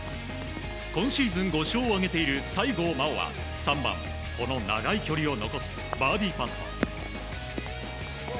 今シーズン５勝を挙げている西郷真央は３番、長い距離を残すバーディーパット。